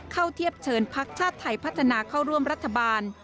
เทียบเชิญพักชาติไทยพัฒนาเข้าร่วมรัฐบาล